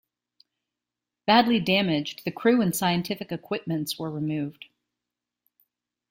Badly damaged, the crew and scientific equipment's were removed.